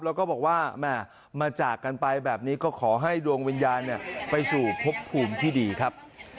แล้วก็บอกว่าแม่มาจากกันไปแบบนี้ก็ขอให้ดวงวิญญาณไปสู่พบภูมิที่ดีครับ